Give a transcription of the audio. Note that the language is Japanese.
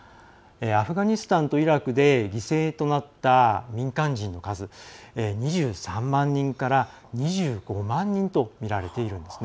アフガニスタンとイラクで犠牲となった民間人の数、２３万人から２５万人と見られているんです。